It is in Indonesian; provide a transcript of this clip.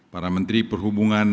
para menteri perhubungan